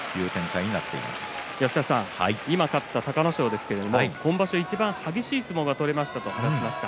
今、勝った隆の勝ですけれど今場所いちばん激しい相撲が取れましたと話していました。